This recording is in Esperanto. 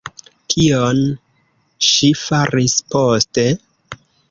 Kion ŝi faris poste?